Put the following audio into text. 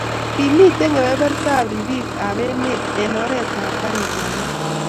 kimitei kebertab ribik ab emet eng oretab garitab mat